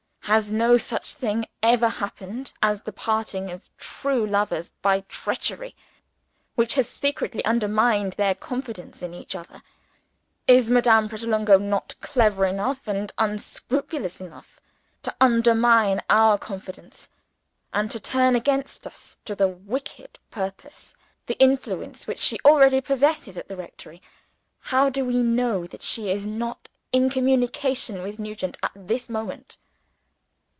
Has no such thing ever happened as the parting of true lovers by treachery which has secretly undermined their confidence in each other. Is Madame Pratolungo not clever enough and unscrupulous enough to undermine our confidence, and to turn against us, to the wickedest purpose, the influence which she already possesses at the rectory? How do we know that she is not in communication with Nugent at this moment?"